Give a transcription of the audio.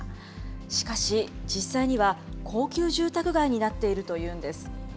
しかし、実際には高級住宅街になっているというんです。